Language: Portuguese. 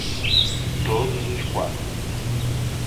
Todos os quatro